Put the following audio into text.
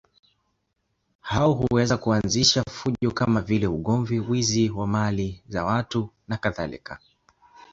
Hao huweza kuanzisha fujo kama vile ugomvi, wizi wa mali za watu nakadhalika.